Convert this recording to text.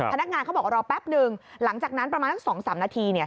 พนักงานเขาบอกรอแป๊บนึงหลังจากนั้นประมาณสัก๒๓นาทีเนี่ย